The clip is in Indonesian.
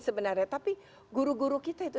sebenarnya tapi guru guru kita itu